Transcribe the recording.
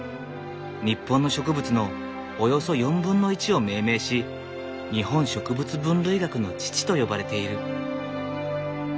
日本の植物のおよそ４分の１を命名し日本植物分類学の父と呼ばれている。